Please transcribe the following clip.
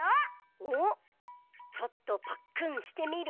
おっちょっとパックンしてみる？